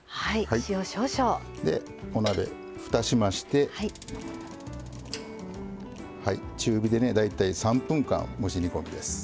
でお鍋ふたしまして中火でね大体３分間蒸し煮込みです。